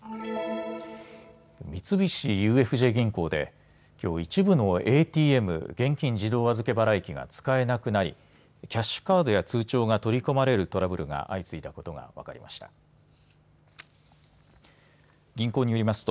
三菱ＵＦＪ銀行できょう、一部のＡＴＭ・現金自動預け払い機が使えなくなり、キャッシュカードや通帳が取り込まれるトラブルが相次いだことが分かりました。